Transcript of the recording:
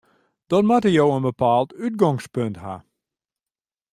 Dan moatte jo in bepaald útgongspunt ha.